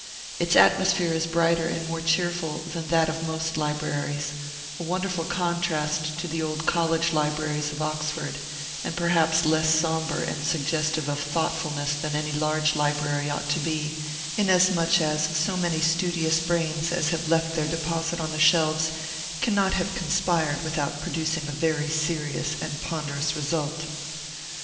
Its atmosphere is brighter and more cheerful than that of most libraries: a wonderful contrast to the old college libraries of Oxford, and perhaps less sombre and suggestive of thoughtfulness than any large library ought to be, inasmuch as so many studious brains as have left their deposit on the shelves cannot have conspired without producing a very serious and ponderous result.